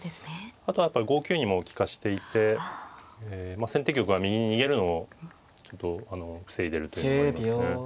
あとやっぱり５九にも利かしていて先手玉が右に逃げるのをちょっとあの防いでるというのがありますね。